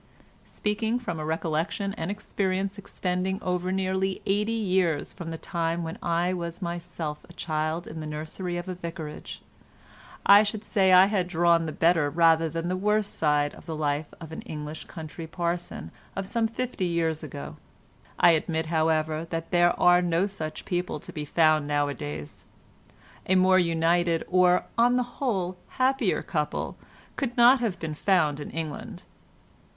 Speaking from a recollection and experience extending over nearly eighty years from the time when I was myself a child in the nursery of a vicarage, I should say I had drawn the better rather than the worse side of the life of an English country parson of some fifty years ago. I admit, however, that there are no such people to be found nowadays. A more united or, on the whole, happier, couple could not have been found in England.